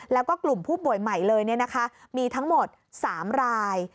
แล้วก็กลุ่มผู้ป่วยใหม่เลยมีทั้งหมด๓ราย